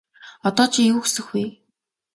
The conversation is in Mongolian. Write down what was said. Одоо чи юу хүсэх вэ?